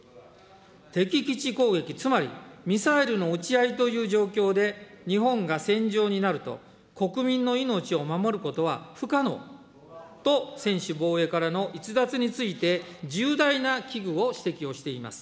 敵基地攻撃、つまりミサイルの撃ち合いという状況で、日本が戦場になると、国民の命を守ることは不可能と、専守防衛からの逸脱について重大な危惧を指摘をしています。